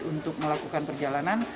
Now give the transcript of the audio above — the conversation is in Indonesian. untuk melakukan perjalanan